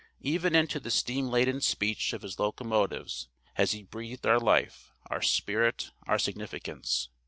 Even into the steam laden speech of his locomotives has he breathed our life, our spirit, our significance.